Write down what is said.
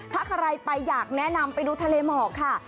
ถ้าใครไปอยากแนะนำไปดูทะเลหมอกค่ะ